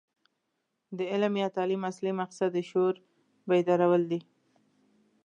د علم یا تعلیم اصلي مقصد د شعور بیدارول دي.